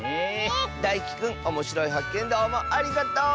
だいきくんおもしろいはっけんどうもありがとう！